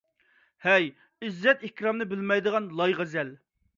ھەي، ئىززەت - ئىكرامنى بىلمەيدىغان لايغەزەل!